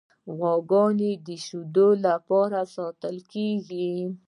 غواګانې د شیدو لپاره ساتل کیږي.